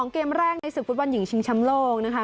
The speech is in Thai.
เกมแรกในศึกฟุตบอลหญิงชิงแชมป์โลกนะคะ